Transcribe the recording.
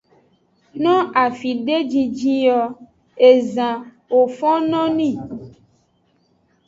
No afide jinjin o, ezan wo fonno nii.